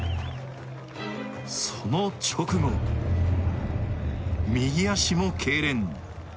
その直後右足もけいれん。